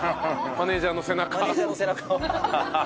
マネージャーの背中を。